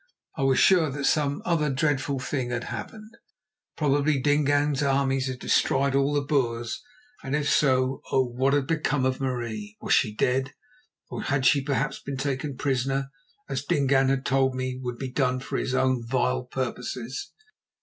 I was sure that some other dreadful thing had happened. Probably Dingaan's armies had destroyed all the Boers, and, if so, oh! what had become of Marie? Was she dead, or had she perhaps been taken prisoner, as Dingaan had told me would be done for his own vile purposes?